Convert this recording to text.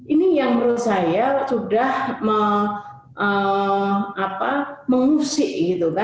ini yang menurut saya sudah mengusik